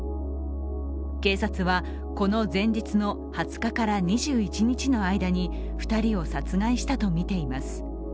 警察はこの前日の２０日から２１日の間に２人を殺害したとみています。